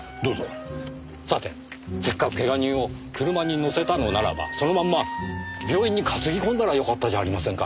さてせっかくけが人を車に乗せたのならばそのまんま病院に担ぎこんだらよかったじゃありませんか。